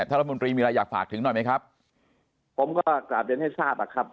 ธาตุบัติบัตรบุญตรีมีอะไรอยากฝากถึงน่ะไหมครับผมก็กลับเรียนให้ทราบอ่ะครับ